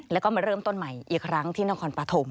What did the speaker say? แล้วก็มาเริ่มต้นใหม่อีกครั้งที่นครปฐม